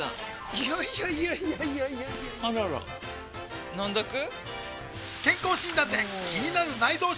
いやいやいやいやあらら飲んどく？